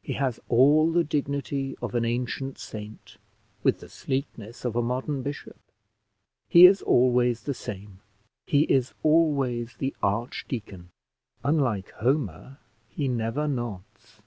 He has all the dignity of an ancient saint with the sleekness of a modern bishop; he is always the same; he is always the archdeacon; unlike Homer, he never nods.